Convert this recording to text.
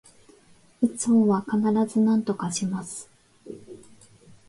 打つ方は必ずなんとかします